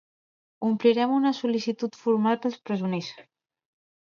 Omplirem una sol·licitud formal per als presoners.